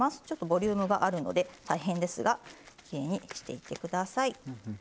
ちょっとボリュームがあるので大変ですがきれいにしていってください。